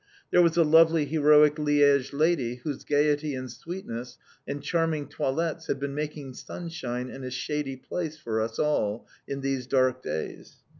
There was a lovely heroic Liège lady whose gaiety and sweetness, and charming toilettes had been making "sunshine in a shady place" for us all in these dark days.